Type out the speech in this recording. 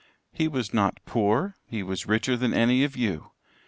"He was not poor. He was richer than any of you.